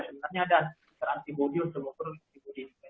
sebenarnya ada fitur antibody untuk ukur antibody